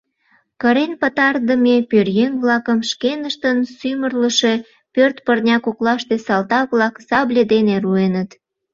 Кырен пытарыдыме пӧръеҥ-влакым шкеныштын сӱмырлышӧ пӧрт пырня коклаште салтак-влак сабле дене руэныт.